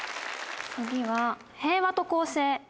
次は「平和と公正」。